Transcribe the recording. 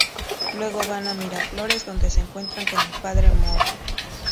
Luego van a Miraflores donde se encuentran con el Padre Moore.